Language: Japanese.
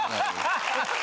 アハハハ！